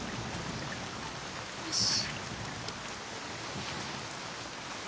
よし。